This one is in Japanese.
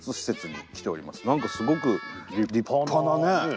何かすごく立派なね。